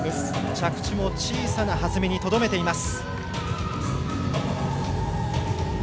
着地も小さな弾みにとどめています。